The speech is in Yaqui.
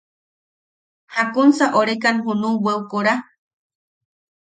–¿Jakunsa orekan junu bweʼu kora?